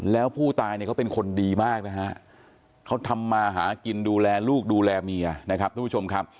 แล้วผู้ตายเนี่ยเขาเป็นคนดีมากนะฮะเขาทำมาหากินดูแลลูกดูแลเมียนะครับทุกผู้ชมครับ